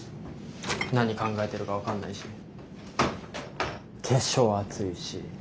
何考えてるか分かんないし化粧厚いし。